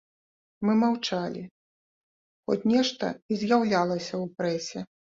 Мы маўчалі, хоць нешта і з'яўлялася ў прэсе.